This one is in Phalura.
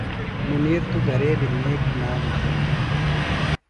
مُنیر توۡ گھرےۡ بیۡ نیک نام تھانوۡ۔